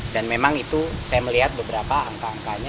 dan memang itu saya melihat beberapa angka angkanya